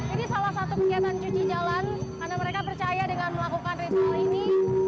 ini salah satu kegiatan cuci jalan karena mereka percaya dengan melakukan risal ini